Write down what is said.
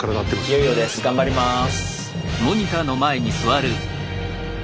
いよいよです頑張ります。